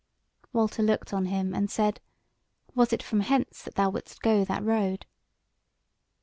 Walter looked on him and said: "Was it from hence that thou wouldst go that road?"